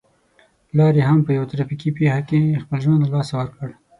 پلار يې هم په يوه ترافيکي پېښه کې خپل ژوند له لاسه ور کړ.